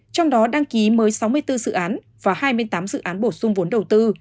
trong đó đăng ký mới sáu mươi bốn dự án và hai mươi tám dự án bổ sung vốn đầu tư